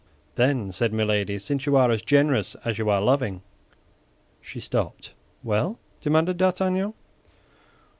"Then," said Milady, "since you are as generous as you are loving—" She stopped. "Well?" demanded D'Artagnan.